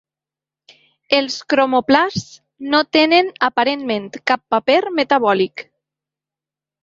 Els cromoplasts no tenen aparentment cap paper metabòlic.